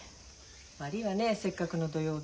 悪いわねせっかくの土曜日。